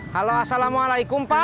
halo assalamualaikum pak